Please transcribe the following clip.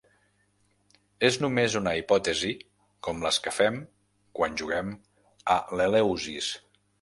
És només una hipòtesi com les que fem quan juguem a l'Eleusis.